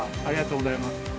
ありがとうございます。